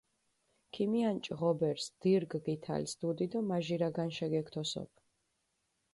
ქიმიანჭჷ ღობერს, დირგჷ გითალს დუდი დო მაჟირა განშე გეგთოსოფჷ.